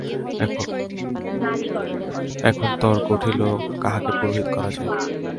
এখন তর্ক উঠিল, কাহাকে পুরোহিত করা যায়।